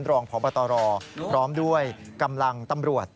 รองพบตรพร้อมด้วยกำลังตำรวจ